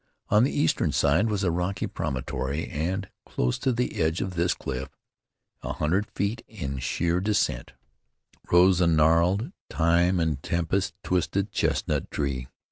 On the eastern side was a rocky promontory, and close to the edge of this cliff, an hundred feet in sheer descent, rose a gnarled, time and tempest twisted chestnut tree.